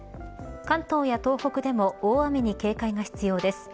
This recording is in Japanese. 関東や東北でも大雨に警戒が必要です。